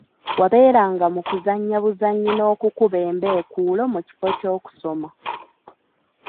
Wabeeranga mu kuzannya buzannyi n'okukuba embeekuulo mu kifo ky'okusoma.